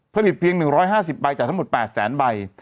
ผลิตเพียง๑๕๐ใบจากทั้งหมด๘แสนใบ